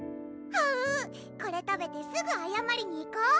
はうこれ食べてすぐあやまりに行こ！